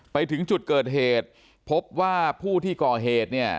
ไปถึงจุดเกิดเหตุพบว่าผู้ที่ก่อเหตุเนี่ย